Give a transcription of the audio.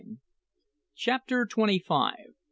CHAPTER TWENTY FIVE.